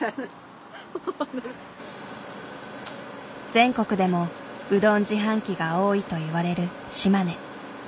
全国でもうどん自販機が多いといわれる島根。